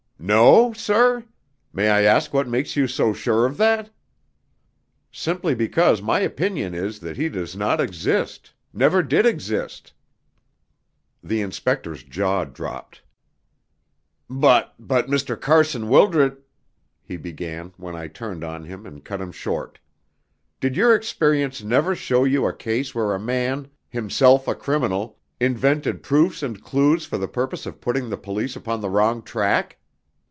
"No, sir? May I ask what makes you so sure of that?" "Simply because my opinion is that he does not exist never did exist." The inspector's jaw dropped. "But but Mr. Carson Wildred " he began, when I turned on him and cut him short. "Did your experience never show you a case where a man, himself a criminal, invented proofs and clues for the purpose of putting the police upon the wrong track?"